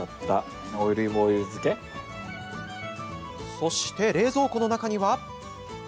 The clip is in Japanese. そして、冷蔵庫の中には。